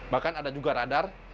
bahkan ada juga radar